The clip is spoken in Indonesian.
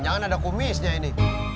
jangan ada kumisnya ini